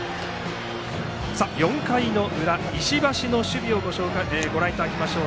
４回の裏、石橋の守備をご覧いただきましょう。